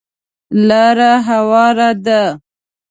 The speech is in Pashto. لاره هواره ده .